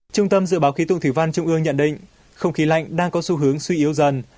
trung tâm dự báo khí tượng thủy văn trung ương nhận định không khí lạnh đang có xu hướng suy yếu dần